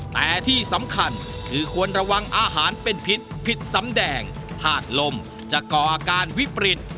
แต่ที่สำคัญคือควรระวังอาหารเป็นพิษผิดสำแดงธาตุลมจะก่ออาการวิปริต